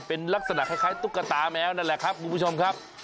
เป็นลักษณะคล้ายตุ๊กตาแมวนั่นแหละครับคุณผู้ชมครับ